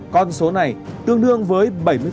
con số này tương đương với bảy mươi